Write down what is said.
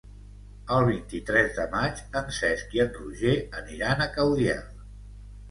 El vint-i-tres de maig en Cesc i en Roger aniran a Caudiel.